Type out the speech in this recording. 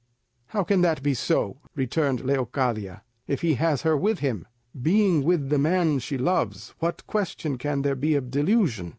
"How can that be so," returned Leocadia, "if he has her with him? Being with the man she loves, what question can there be of delusion?